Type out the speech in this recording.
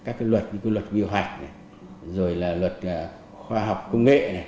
các cái luật như là luật biểu hạch rồi là luật khoa học công nghệ